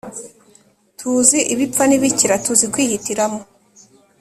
tuzi ibipfa n’ibikira, tuzi kwihitiramo.